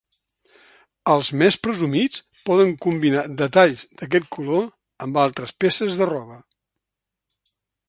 Els més presumits poden combinar detalls d’aquest color amb altres peces de roba.